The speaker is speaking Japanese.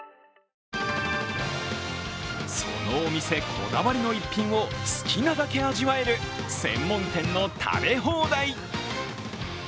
そのお店、こだわりの逸品を好きなだけ味わえる専門店の食べ放題。